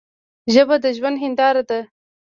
ژبه د ژوند هنداره ده.